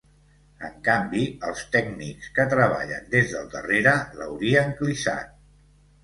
En canvi, els tècnics que treballen des del darrere l'haurien clissat.